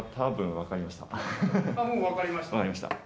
分かりました。